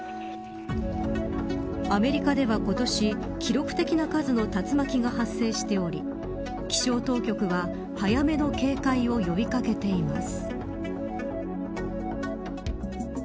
アメリカでは今年、記録的な数の竜巻が発生しており気象当局は、早めの警戒を呼び掛けています。